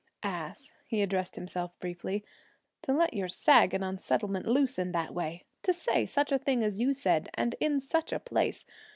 'Ass!' he addressed himself briefly. 'To let your sag and unsettlement loose in that way! To say such a thing as you said, and in such a place!